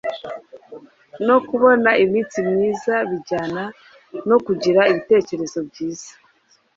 no kubona iminsi myiza bijyana no kugira ibitekerezo byiza